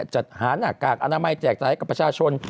จัดหาหน้ากากอนามัยแจกจ่ายให้กับประชาชน